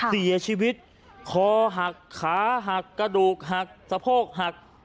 เสียชีวิตคอหักขาหักกระดูกหักสะโพกหัก